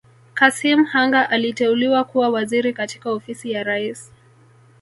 Kassim Hanga aliteuliwa kuwa Waziri katika Ofisi ya Rais